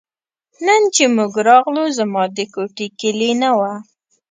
نن چې موږ راغلو زما د کوټې کیلي نه وه.